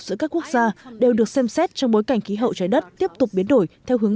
giữa các quốc gia đều được xem xét trong bối cảnh khí hậu trái đất tiếp tục biến đổi theo hướng